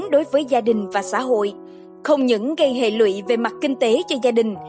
đối với gia đình và xã hội không những gây hệ lụy về mặt kinh tế cho gia đình